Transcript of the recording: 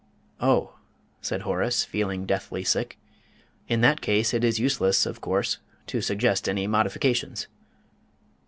"Oh," said Horace, feeling deathly sick, "in that case it is useless, of course, to suggest any modifications."